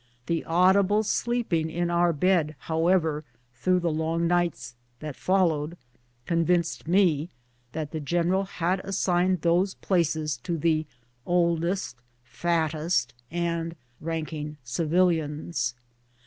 The audible sleeping in our bed, however, through the long nights that followed, convinced me that the general had assigned those places to the oldest, fattest, and ranking civilians.